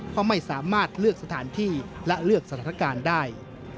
เพราะไม่สามารถเลือกสถานที่และเลือกสถานการณ์ได้